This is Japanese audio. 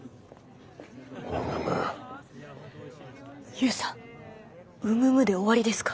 勇さん「うむむ」で終わりですか？